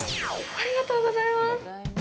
ありがとうございます！